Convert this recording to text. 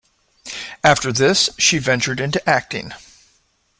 After this she ventured into acting.